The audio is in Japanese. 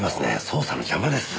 捜査の邪魔です。